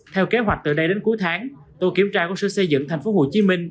theo kế hoạch từ nay đến cuối tháng tổ kiểm tra của sở xây dựng tp hcm